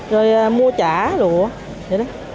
rồi mua chả lụa vậy đó